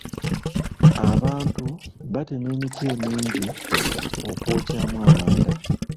Abantu batema emiti emingi okwokyamu amanda.